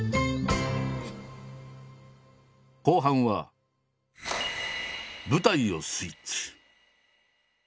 後半は舞台をスイッチ。